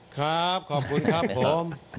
ใช่ขอบคุณครับผม